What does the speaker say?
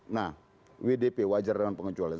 nah wdp wajar dengan pengecualian